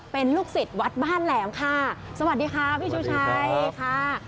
เป็นลูกศิษย์วัดบ้านแหลมค่ะสวัสดีค่ะพี่ชูชัยค่ะ